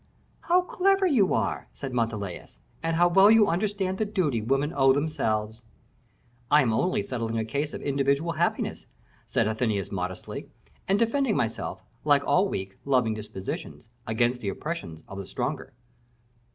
"How clever you are," said Montalais, "and how well you understand the duty women owe themselves!" "I am only settling a case of individual happiness," said Athenais modestly; "and defending myself, like all weak, loving dispositions, against the oppressions of the stronger."